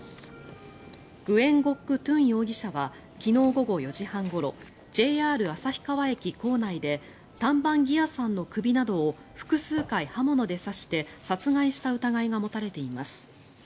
グエン・ゴック・トゥン容疑者は昨日午後４時半ごろＪＲ旭川駅構内でタン・バン・ギアさんの首などを複数回刃物で刺して殺害した疑いが持たれています。